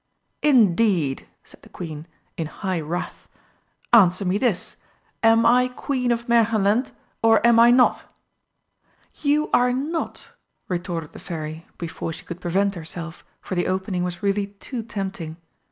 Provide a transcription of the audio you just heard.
"Indeed?" said the Queen, in high wrath. "Answer me this: Am I Queen of Märchenland, or am I not?" "You are not!" retorted the Fairy, before she could prevent herself, for the opening was really too tempting.